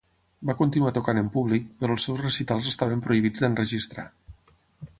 Va continuar tocant en públic, però els seus recitals estaven prohibits d'enregistrar.